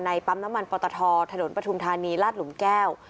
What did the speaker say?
ปั๊มน้ำมันปตทถนนปฐุมธานีลาดหลุมแก้ว